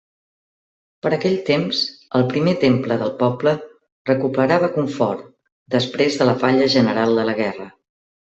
Per aquell temps el primer temple del poble recuperava confort després de la falla general de la guerra.